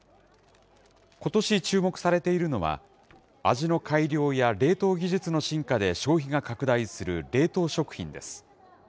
ことし注目されているのは、味の改良や、冷凍技術の進化で消費が拡大する冷凍食品です。